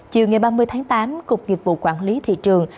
chiều ngày ba mươi tháng tám cục nghiệp vụ quản lý thị trường